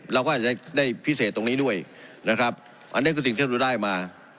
เราก็อาจจะได้พิเศษตรงนี้ด้วยนะครับอันนี้คือสิ่งที่เราได้มา